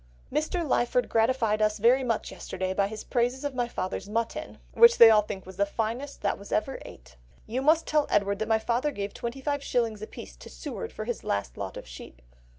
"Mr. Lyford gratified us very much yesterday by his praises of my father's mutton, which they all think was the finest that was ever ate." "You must tell Edward that my father gave twenty five shillings apiece to Seward for his last lot of sheep."